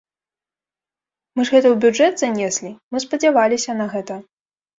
Мы ж гэта ў бюджэт занеслі, мы спадзяваліся на гэта.